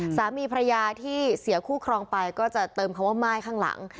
สามีภรรยาที่เสียคู่ครองไปก็จะเติมคำว่าม่ายข้างหลัง